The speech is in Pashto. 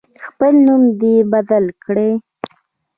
خپل نوم دی بدل کړي.